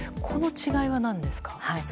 この違いは何ですか。